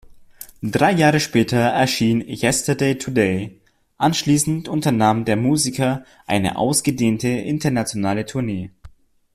Drei Jahre später erschien "Yesterday, Today", anschließend unternahm der Musiker eine ausgedehnte internationale Tournee.